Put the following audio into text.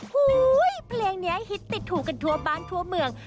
เพลงนี้ฮิตติดถูกกันทั่วบ้านทั่วเมือง